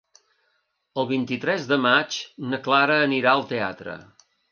El vint-i-tres de maig na Clara anirà al teatre.